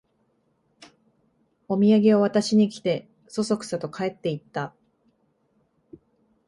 おみやげを渡しに来て、そそくさと帰っていった